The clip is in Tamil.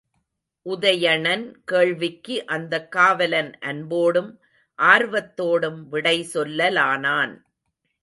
உதயணன் கேள்விக்கு அந்தக் காவலன் அன்போடும் ஆர்வத்தோடும் விடை சொல்லலானான்.